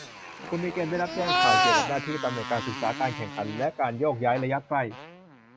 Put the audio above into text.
คุณมีเกณฑ์ได้รับแจ้งข่าวเกี่ยวกับหน้าที่ ตำแหน่ง การศึกษา การแข่งขัน หรือการโยกย้ายระยะใกล้